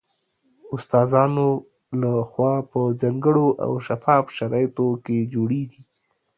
استادانو له خوا په ځانګړو او شفاف شرایطو کې جوړیږي